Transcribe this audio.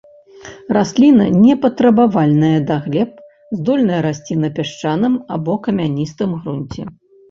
Расліна не патрабавальная да глеб, здольная расці на пясчаным або камяністым грунце.